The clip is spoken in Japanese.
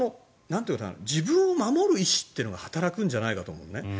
自分を守る意思というのが働くんじゃないかと思うんだよね。